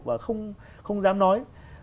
và không dám nói